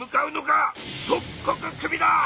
即刻クビだ！